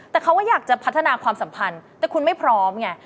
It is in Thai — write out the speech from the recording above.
แต่เขาก็อยากจะพัฒนาความสัมพันธ์แต่คุณไม่พร้อมไง